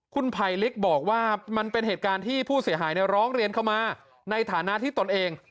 คุณภัยลิกบอกว่ามันเป็นเหตุการณ์ที่ผู้เสียหายร้องเรียนเข้ามาในฐานะที่ตนเอง